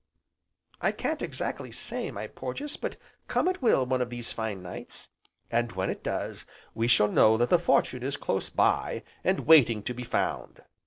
"I can't exactly say, my Porges, but come it will one of these fine nights. And when it does we shall know that the fortune is close by, and waiting to be found.